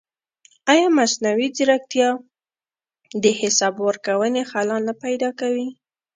ایا مصنوعي ځیرکتیا د حساب ورکونې خلا نه پیدا کوي؟